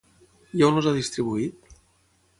I on els ha distribuït?